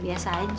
nih kasih aja